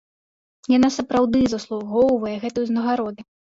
Яна сапраўды заслугоўвае гэтай узнагароды.